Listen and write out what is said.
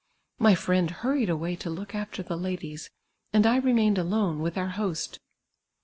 My friend hurried away to look after the ladiis, and 1 remained alone with our host.